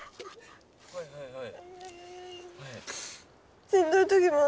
はいはいはい。